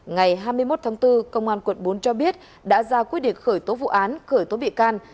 ngày hai mươi một tháng bốn công an quận bốn cho biết đã ra quyết định khởi tố vụ án khởi tố bị can